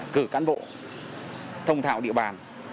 cử cán bộ thông thạo địa bàn